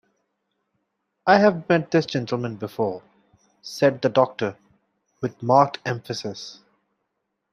‘I have met this gentleman before,’ said the Doctor, with marked emphasis.